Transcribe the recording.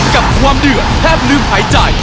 กับความเดือดแทบลืมหายใจ